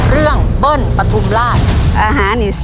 เรื่องเบิ้ลประทุมราช